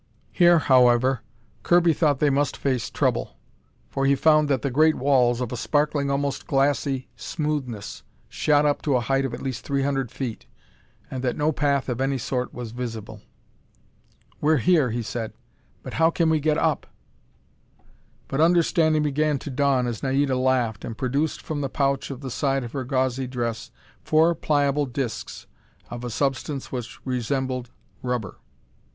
Here, however, Kirby thought they must face trouble, for he found that the great walls, of a sparkling, almost glassy smoothness, shot up to a height of at least three hundred feet, and that no path of any sort was visible. "We're here," he said, "but how can we get up?" But understanding began to dawn as Naida laughed, and produced from the pouch at the side of her gauzy dress four pliable discs of a substance which resembled rubber.